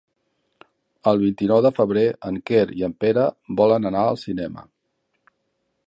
El vint-i-nou de febrer en Quer i en Pere volen anar al cinema.